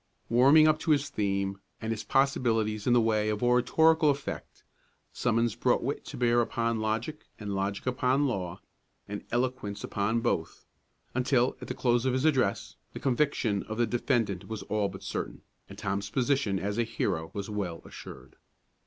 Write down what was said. Warming up to his theme, and its possibilities in the way of oratorical effect, Summons brought wit to bear upon logic and logic upon law, and eloquence upon both, until, at the close of his address, the conviction of the defendant was all but certain, and Tom's position as a hero was well assured.